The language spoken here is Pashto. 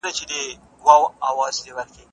رسول الله هغه ته وويل، چي دغي ميرمني ته قرآن وښيه.